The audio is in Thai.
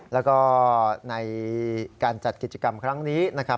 แล้วก็ในการจัดกิจกรรมครั้งนี้นะครับ